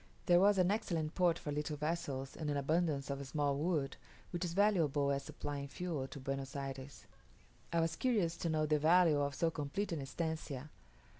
There was an excellent port for little vessels, and an abundance of small wood, which is valuable as supplying fuel to Buenos Ayres. I was curious to know the value of so complete an estancia.